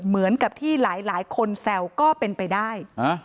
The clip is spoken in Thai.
เหมือนกับที่หลายคนแซวก็เป็นไปได้